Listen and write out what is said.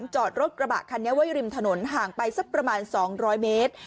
จอดรถกระบะคันนี้ไว้ริมถนนห่างไปสักประมาณ๒๐๐เมตร